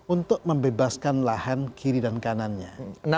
untuk membebaskan lahan kiri dan kanannya